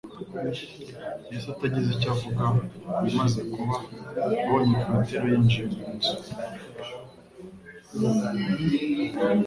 Yesu atagize icyo avuga ku bimaze kuba, abonye Petero yinjiye mu nzu,